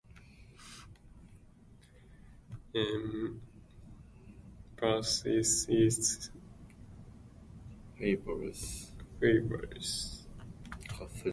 Emphasis is Faber's.